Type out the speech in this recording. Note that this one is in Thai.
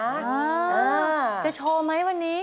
อ้าวจะโชว์ไหมวันนี้